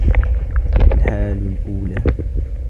فَالْحَالُ الْأُولَى